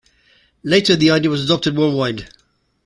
Later the idea was adopted worldwide.